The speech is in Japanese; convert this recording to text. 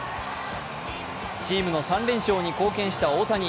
チームの３連勝に貢献した大谷。